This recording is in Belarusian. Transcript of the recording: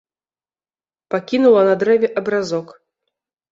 Пакінула на дрэве абразок.